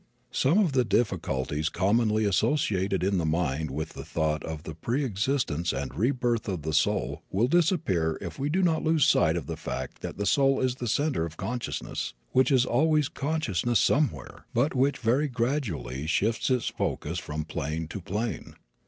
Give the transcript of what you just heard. Some of the difficulties commonly associated in the mind with the thought of the pre existence and rebirth of the soul will disappear if we do not lose sight of the fact that the soul is a center of consciousness, which is always consciousness somewhere, but which very gradually shifts its focus from plane to plane.